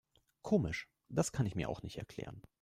Komisch, das kann ich mir auch nicht erklären.